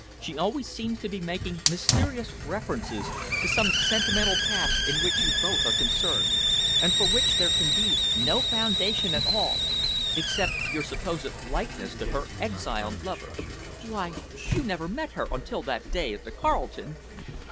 She always seems to be making mysterious references to some sentimental past in which you both are concerned, and for which there can be no foundation at all except your supposed likeness to her exiled lover. Why, you never met her until that day at the Carlton!"